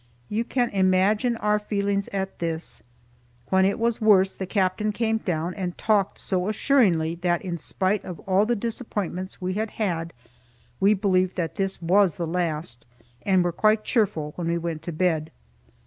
You can imagine our feelings at this. When it was worse the captain came down and talked so assuringly that, in spite of all the disappointments we had had, we believed that this was the last, and were quite cheerful when we went to bed.